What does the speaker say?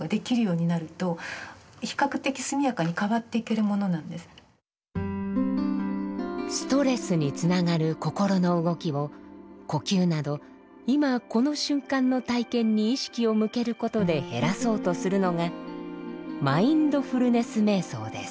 臨床心理学ではストレスにつながる心の動きを呼吸など今この瞬間の体験に意識を向けることで減らそうとするのがマインドフルネス瞑想です。